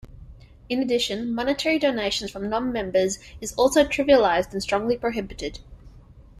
In addition, monetary donations from non-members is also trivialized and strongly prohibited.